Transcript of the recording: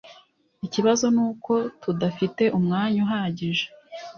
Ikibazo nuko tudafite umwanya uhagije